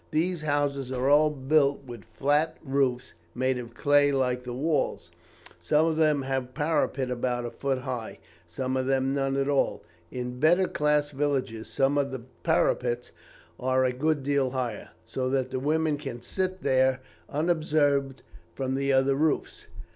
These houses are all built with flat roofs made of clay like the walls. Some of them have a parapet about a foot high; some of them none at all. In better class villages some of the parapets are a good deal higher; so that the women can sit there unobserved from the other roofs.